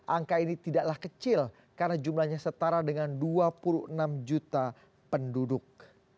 angka ini tidaklah kecil karena jumlahnya setara dengan dua puluh enam juta penduduk